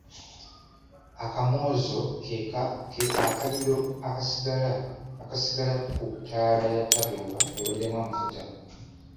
Akamwozo ke akaliro akasigala ku ttaala ya tadooba eweddemu amafuta.